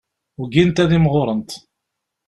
Ugint ad imɣurent.